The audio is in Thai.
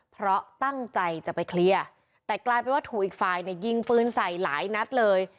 เพราะตั้งใจจะไปเคลียร์แต่กลายเป็นว่าถูกอีกฝ่ายเนี่ยยิงปืนใส่หลายนัดเลย